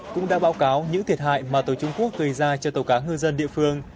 cũng đã báo cáo những thiệt hại mà tàu trung quốc gây ra cho tàu cá ngư dân địa phương